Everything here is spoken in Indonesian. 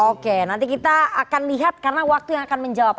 oke nanti kita akan lihat karena waktu yang akan menjawab